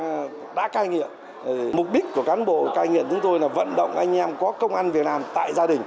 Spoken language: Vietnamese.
người đã cai nghiện mục đích của cán bộ cai nghiện chúng tôi là vận động anh em có công ăn việt nam tại gia đình